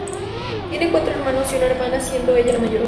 Tiene cuatro hermanos y una hermana, siendo ella la mayor.